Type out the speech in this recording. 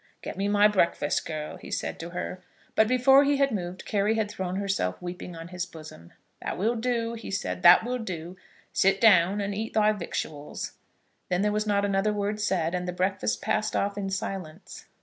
"Get me my breakfast, girl," he said to her. But before he had moved Carry had thrown herself weeping on his bosom. "That will do," he said. "That will do. Sit down and eat thy victuals." Then there was not another word said, and the breakfast passed off in silence.